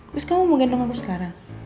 terus kamu mau gendong aku sekarang